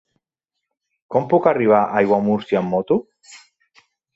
Com puc arribar a Aiguamúrcia amb moto?